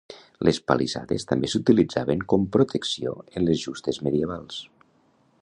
Les palissades també s'utilitzaven com protecció en les justes medievals.